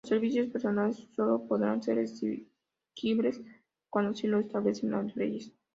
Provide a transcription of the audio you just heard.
Los servicios personales sólo podrán ser exigibles cuando así lo establezcan las leyes.